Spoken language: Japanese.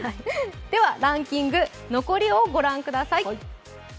では、ランキング、残りをご覧ください。